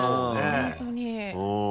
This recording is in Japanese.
本当に。